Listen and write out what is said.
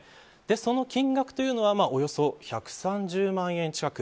その金額はおよそ１３０万円近く。